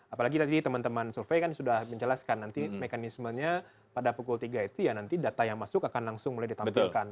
apalagi tadi teman teman survei kan sudah menjelaskan nanti mekanismenya pada pukul tiga itu ya nanti data yang masuk akan langsung mulai ditampilkan